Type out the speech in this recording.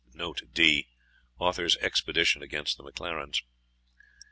Note D. Author's expedition against the MacLarens.